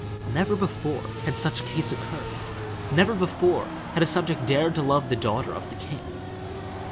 Never before had such a case occurred; never before had a subject dared to love the daughter of the king.